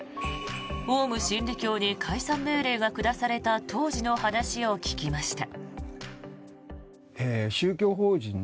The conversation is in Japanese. オウム真理教に解散命令が下された当時の話を聞きました。